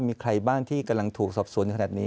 มีใครบ้างที่กำลังถูกสอบสวนขนาดนี้